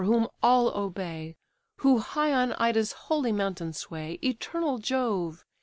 whom all obey, Who high on Ida's holy mountain sway, Eternal Jove!